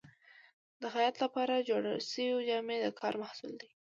د خیاط لپاره جوړې شوې جامې د کار محصول دي.